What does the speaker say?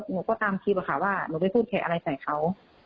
หนูก็ตามคลิปว่าหนูไปพูดแขกอะไรใจเขา